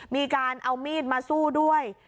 มีการเอามีดมาสู้ด้วย